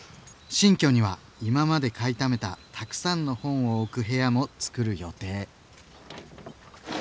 新居には今まで買いためたたくさんの本を置く部屋もつくる予定。